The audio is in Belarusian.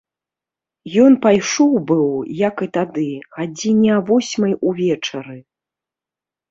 Ён пайшоў быў, як і тады, гадзіне а восьмай увечары.